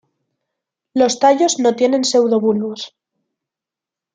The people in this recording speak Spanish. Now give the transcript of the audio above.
Los tallos no tienen pseudobulbos.